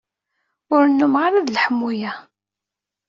Ur nnumeɣ ara d leḥmu-a.